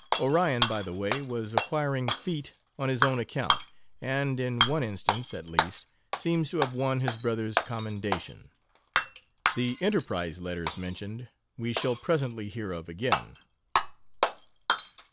Orion, by the way, was acquiring "feet" on his own account, and in one instance, at least, seems to have won his brother's commendation. The 'Enterprise' letters mentioned we shall presently hear of again.